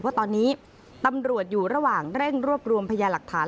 ว่าตอนนี้ตำรวจอยู่ระหว่างเร่งรวบรวมพยาหลักฐาน